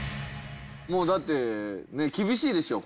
もうだって厳しいでしょ